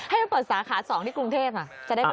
ให้มันเปิดสาขาสองที่กรุงเทพฯอ่ะ